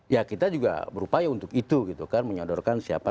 ya kita juga berupaya untuk itu gitu kan menyodorkan siapa